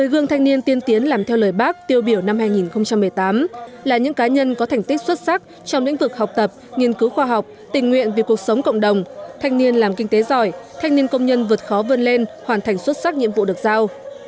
một mươi gương thanh niên tiên tiến làm theo lời bác tiêu biểu năm hai nghìn một mươi tám là những cá nhân có thành tích xuất sắc trong lĩnh vực học tập nghiên cứu khoa học tình nguyện vì cuộc sống cộng đồng thanh niên làm kinh tế giỏi thanh niên công nhân vượt khó vươn lên hoàn thành xuất sắc nhiệm vụ được giao